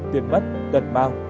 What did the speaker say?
tiền mất đợt mau